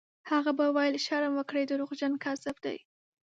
هغه به ویل: «شرم وکړئ! دروغجن، کذاب دی».